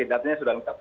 datanya sudah lengkap